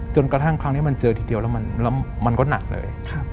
จนกระทั่งครั้งนี้มันเจอทีเดียวแล้วมันก็หนักเลย